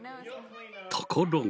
ところが。